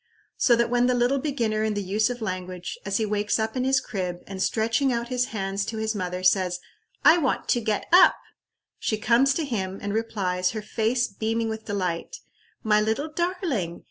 So that when the little beginner in the use of language, as he wakes up in his crib, and stretching out his hands to his mother says, "I want to get up" she comes to take him, and replies, her face beaming with delight, "My little darling!